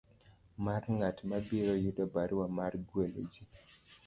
mar ng'at mabiro yudo barua mar gwelo ji.